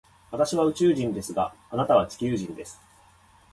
私は宇宙人ですが、あなたは地球人です。